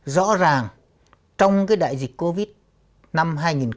rõ ràng trong cái đại dịch covid một mươi chín năm hai nghìn hai mươi